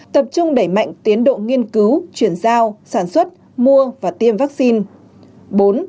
tập trung đẩy mạnh tiến độ nghiên cứu chuyển giao sản xuất mua và tiêm vaccine